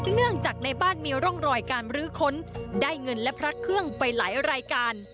เนื่องจากในบ้านมีร่องรอยการรื้อค้นได้เงินและพระเครื่องไปหลายรายการ